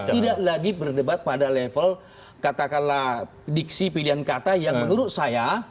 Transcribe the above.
tidak lagi berdebat pada level katakanlah diksi pilihan kata yang menurut saya